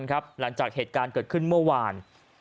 หลังจากเหตุการณ์เกิดขึ้นเมื่อวาน